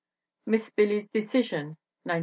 Miss Billy's Decision, 1912.